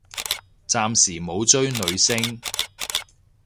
暫時冇追女星